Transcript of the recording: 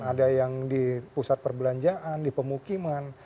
ada yang di pusat perbelanjaan di pemukiman